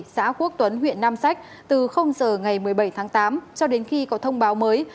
xã quốc tuấn huyện nam sách từ giờ ngày một mươi bảy tháng tám cho đến khi có thông báo mới